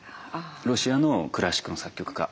ロシアのクラシックの作曲家